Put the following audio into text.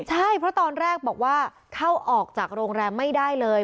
ใช่เพราะตอนแรกบอกว่าเข้าออกจากโรงแรมไม่ได้เลย